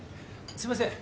すいません。